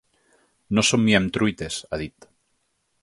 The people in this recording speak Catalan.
No somiem truites, ha dit.